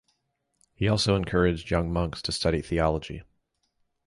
He also encouraged young monks to study theology.